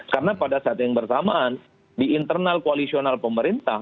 karena pada saat yang bersamaan di internal koalisional pemerintah